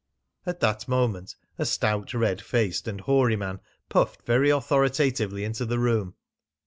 At that moment a stout, red faced, and hoary man puffed very authoritatively into the room.